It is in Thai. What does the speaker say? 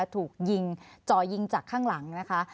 ถูกยิงจ่อยิงจากข้างหลังนะคะ